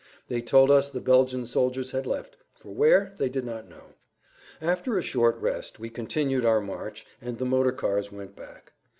They told us the Belgian soldiers had left, for where they did not know. After a short rest we continued our march and the motor cars went back.